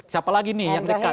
siapa lagi nih yang dekat